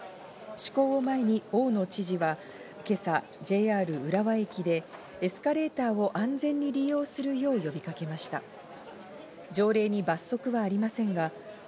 施行を前に大野知事は今朝、ＪＲ浦和駅でエスカレーターを安全に利用するよう呼びかけました。